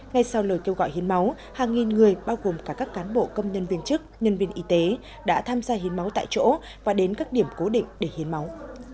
ngay sau lời kêu gọi hiến máu hàng nghìn người bao gồm cả các cán bộ công nhân viên chức nhân viên y tế đã tham gia hiến máu tại chỗ và đến các điểm cố định để hiến máu